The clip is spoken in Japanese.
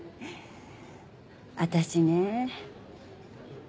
私ね